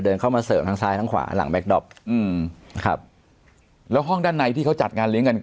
เข้ามาเสริมทั้งซ้ายทั้งขวาหลังแก๊กดอปอืมครับแล้วห้องด้านในที่เขาจัดงานเลี้ยงกัน